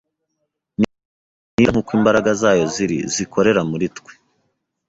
n’ibyo twibwira nk’uko imbaraga zayo ziri zikorera muri twe.